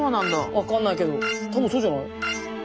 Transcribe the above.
分かんないけど多分そうじゃない？